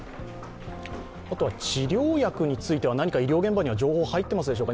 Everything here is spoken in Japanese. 治療薬については、何か医療現場に情報は入っていますでしょうか？